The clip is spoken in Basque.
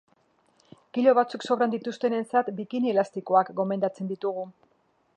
Kilo batzuk sobran dituztenentzat bikini elastikoak gomendatzen ditugu.